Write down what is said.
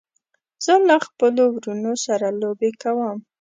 زه له خپلو وروڼو سره لوبې کوم.